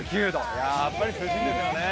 やっぱり涼しいですよね。